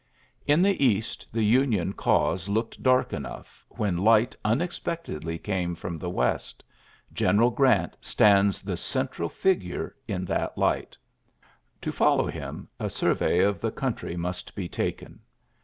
In the East the Union cause looked dark enough; when light unexpectedly came from the West. General Grant stands the central figure in that light To follow him, a survey of the country must be taken.